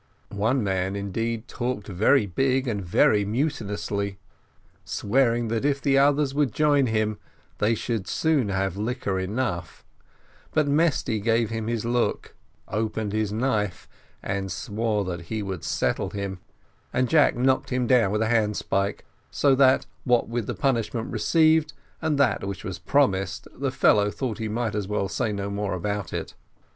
One man, indeed, talked very big and very mutinously, swearing that if the others would join him, they would soon have liquor enough, but Mesty gave him his look, opened his knife, and swore that he would settle him, and Jack knocked him down with a handspike; so that, what with the punishment received, and that which was promised, the fellow thought he might as well say no more about it.